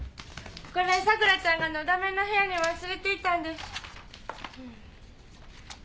これ桜ちゃんがのだめの部屋に忘れていったんです。